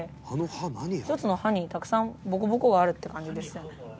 １つの歯にたくさんボコボコがあるって感じですよね。